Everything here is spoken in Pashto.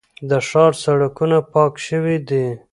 د ښار سړکونه پاک شوي دي.